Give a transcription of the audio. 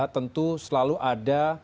tentu selalu ada